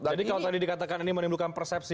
jadi kalau tadi dikatakan ini menimbulkan persepsi